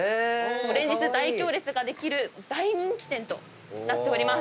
連日大行列ができる大人気店となっております。